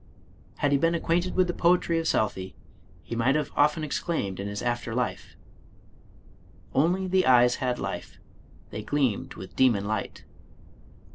Had he been acquainted with the poetry of Southey, he might have often exclaimed in his after life, "Only the eyes had life, They gleamed with demon light."